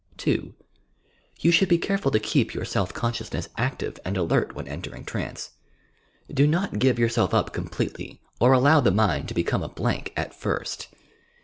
(2) You should be careful to keep your self conscious ness active and alert when entering trance. Do not give yourself up completely or allow the mind to become a blank at first.